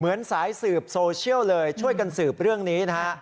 เหมือนสายสืบโซเชียลเลยช่วยกันสืบเรื่องนี้นะฮะ